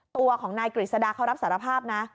ตัวของนายกฤษฎาเขารับสารภาพนะ